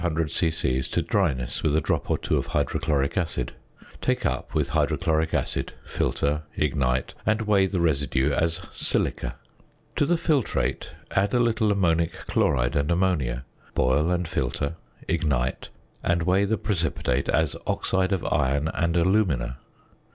to dryness with a drop or two of hydrochloric acid. Take up with hydrochloric acid, filter, ignite, and weigh the residue as "silica." To the filtrate add a little ammonic chloride and ammonia, boil and filter, ignite, and weigh the precipitate as "oxide of iron and alumina."